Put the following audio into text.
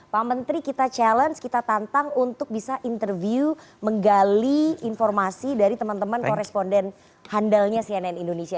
pak menteri kita challenge kita tantang untuk bisa interview menggali informasi dari teman teman koresponden handalnya cnn indonesia